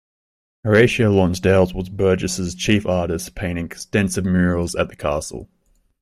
Horatio Lonsdale was Burges's chief artist, painting extensive murals at the castle.